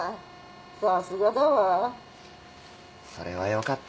さすがだわ。それはよかった。